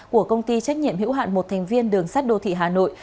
của công ty trách nhiệm hữu hạn một thành viên đường sát đô thị hà nội